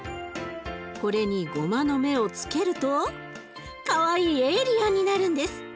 これにごまの目をつけるとかわいいエイリアンになるんです。